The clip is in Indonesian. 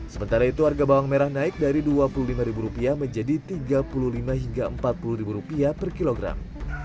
sementara itu harga bawang merah naik dari dua puluh lima rupiah menjadi tiga puluh lima hingga empat puluh rupiah per kilogram